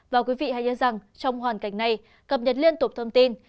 và quý vị hãy nhớ rằng trong hoàn cảnh này cập nhật liên tục thông tin